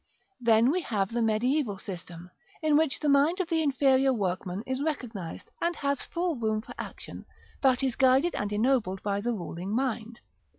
Then we have the mediæval system, in which the mind of the inferior workman is recognised, and has full room for action, but is guided and ennobled by the ruling mind.